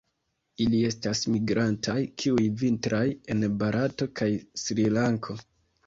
Ili estas migrantaj, kiuj vintras en Barato kaj Srilanko.